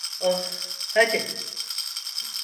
Oh, hadi.